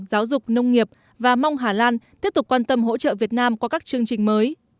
giáo dục nông nghiệp và mong hà lan tiếp tục quan tâm hỗ trợ việt nam qua các chương trình mới